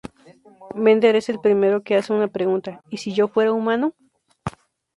Bender es el primero que hace una pregunta: ¿y si yo fuera humano?